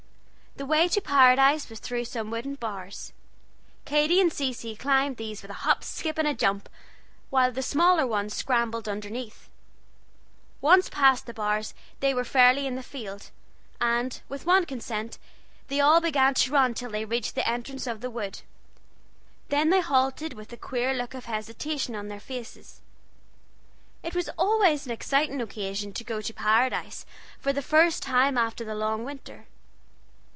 The way to Paradise was through some wooden bars. Katy and Cecy climbed these with a hop, skip and jump, while the smaller ones scrambled underneath. Once past the bars they were fairly in the field, and, with one consent, they all began to run till they reached the entrance of the wood. Then they halted, with a queer look of hesitation on their faces. It was always an exciting occasion to go to Paradise for the first time after the long winter.